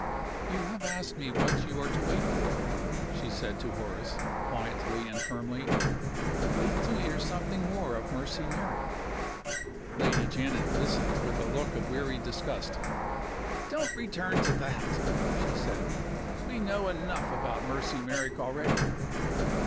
"You have asked me what you are to wait for," she said to Horace, quietly and firmly. "Wait to hear something more of Mercy Merrick." Lady Janet listened with a look of weary disgust. "Don't return to that!" she said. "We know enough about Mercy Merrick already."